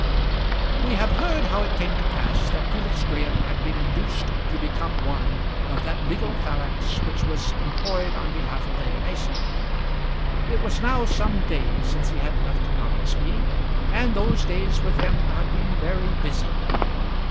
We have heard how it came to pass that Felix Graham had been induced to become one of that legal phalanx which was employed on behalf of Lady Mason. It was now some days since he had left Noningsby, and those days with him had been very busy.